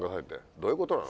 どういうことなの？